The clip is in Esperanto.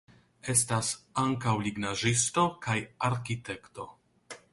Estas ankaŭ lignaĵisto kaj arkitekto.